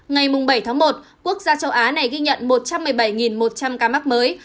ngày bảy tháng một quốc gia châu á này ghi nhận một trăm một mươi bảy một trăm linh ca mắc mới